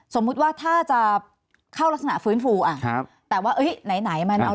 สมมุติว่าถ้าจะเข้ารักษณะฟื้นฟูอ่ะครับแต่ว่าเอ้ยไหนมันเอา